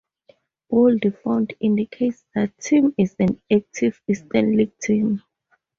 Bold font indicates that team is an active Eastern League team.